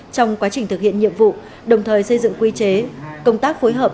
trong quá trình thực hiện nhiệm vụ đồng thời xây dựng quy chế công tác phối hợp